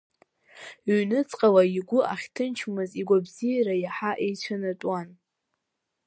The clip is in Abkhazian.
Ҩныҵҟала игәы ахьҭынчмыз игәабзиара иаҳа еицәанатәуан.